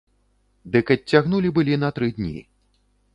Дык адцягнулі былі на тры дні.